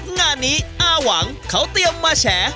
งานนี้อาหวังเขาเตรียมมาแฉ